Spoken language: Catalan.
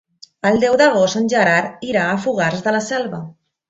El deu d'agost en Gerard irà a Fogars de la Selva.